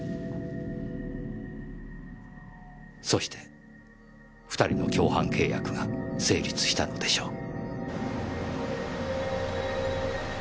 そして２人の共犯契約が成立したのでしょう。